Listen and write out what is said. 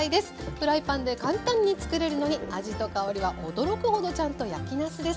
フライパンで簡単に作れるのに味と香りは驚くほどちゃんと焼きなすです。